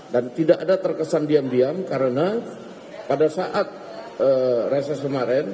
dan tidak ada terkesan diam diam karena pada saat reses kemarin